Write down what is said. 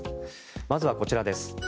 まずはこちらです。